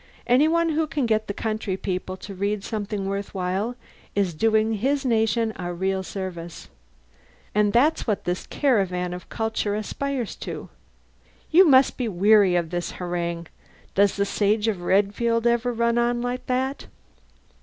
Any one who can get the country people to read something worth while is doing his nation a real service. And that's what this caravan of culture aspires to.... You must be weary of this harangue! Does the Sage of Redfield ever run on like that?"